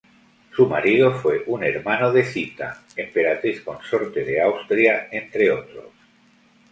Su marido fue un hermano de Zita, emperatriz consorte de Austria, entre otros.